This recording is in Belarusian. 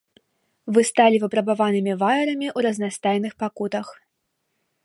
Вы сталі выпрабаванымі ваярамі ў разнастайных пакутах.